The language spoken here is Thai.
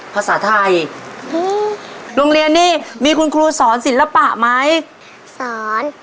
ภาษาไทยโรงเรียนนี่มีคุณครูสอนศิลปะไหมสอน